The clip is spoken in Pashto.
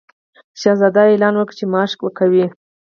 شهزاده اعلان وکړ چې مارش کوي.